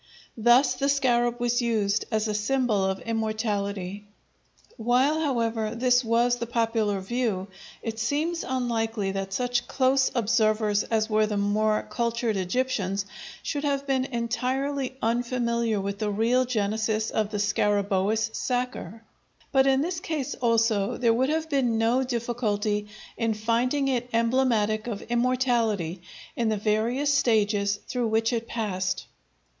Thus the scarab was used as a symbol of immortality. While, however, this was the popular view, it seems unlikely that such close observers as were the more cultured Egyptians should have been entirely unfamiliar with the real genesis of the Scarabæus sacer; but, in this case also, there would have been no difficulty in finding it emblematic of immortality in the various stages through which it passed.